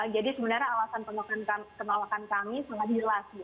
jadi sebenarnya alasan penolakan kami sangat jelas